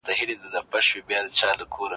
د خاوند هيبت او رعب بايد پر ځای وي